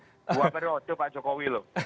dua periode pak jokowi loh